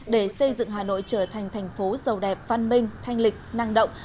để xây dựng hà nội trở thành thành phố giàu đẹp văn minh thanh lịch năng động